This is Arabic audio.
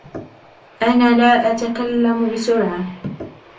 أنا لا أتكلم بسرعة.